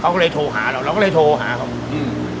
เขาก็เลยโทรหาเราเราก็เลยโทรหาเขาอืม